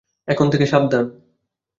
এখন থেকে সাবধান।